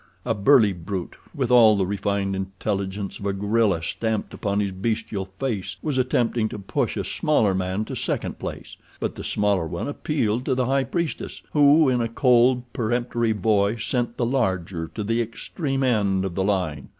A burly brute with all the refined intelligence of a gorilla stamped upon his bestial face was attempting to push a smaller man to second place, but the smaller one appealed to the high priestess, who in a cold peremptory voice sent the larger to the extreme end of the line.